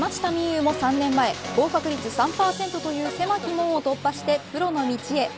有も３年前合格率３％という狭き門を突破してプロの道へ。